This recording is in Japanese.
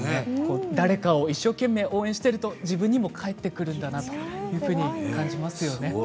誰かを一生懸命応援してると自分にも返ってくるんだなというふうに感じますよね。